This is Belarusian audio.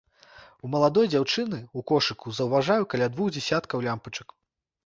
У маладой дзяўчыны ў кошыку заўважаю каля двух дзясяткаў лямпачак.